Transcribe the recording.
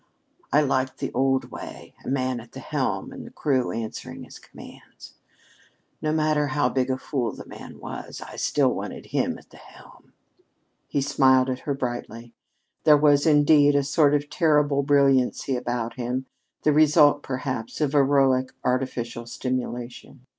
I liked the old way a man at the helm, and the crew answering his commands. No matter how big a fool the man was, I still wanted him at the helm." He smiled at her brightly. There was, indeed, a sort of terrible brilliancy about him, the result, perhaps, of heroic artificial stimulation.